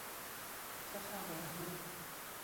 چه خبرها؟